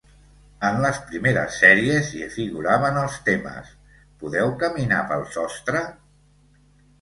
En les primeres sèries, hi figuraven els temes: "Podeu caminar pel sostre?"